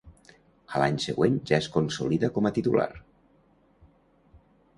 A l'any següent ja es consolida com a titular.